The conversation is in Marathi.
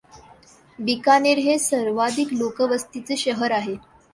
बिकानेर हे सर्वाधिक लोकवस्तीचे शहर आहे.